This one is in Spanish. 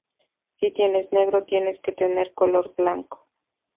Si tienes negro tienes que tener color blanco.